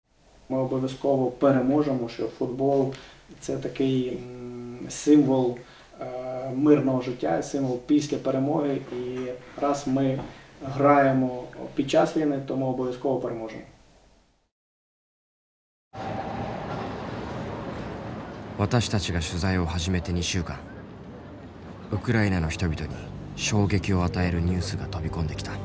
ウクライナの人々に衝撃を与えるニュースが飛び込んできた。